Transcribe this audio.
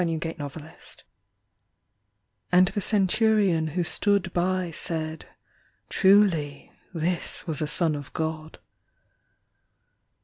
102 THE CRUCIFIXION And the centurion who stood by said: Truly this was a son of God.